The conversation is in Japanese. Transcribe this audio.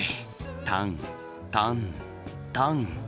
タンタンタン。